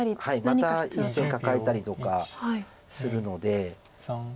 また１線カカえたりとかするので。